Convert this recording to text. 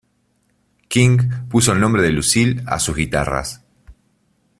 King puso el nombre de Lucille a sus guitarras.